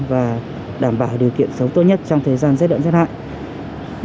và đảm bảo điều kiện sống tốt nhất trong thời gian xét đậm thiệt hại